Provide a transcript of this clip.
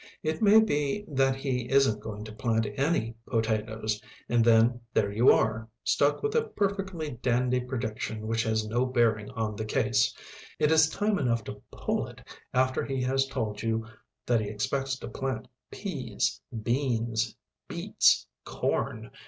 It may be that he isn't going to plant any potatoes, and then there you are, stuck with a perfectly dandy prediction which has no bearing on the case. It is time enough to pull it after he has told you that he expects to plant peas, beans, beets, corn.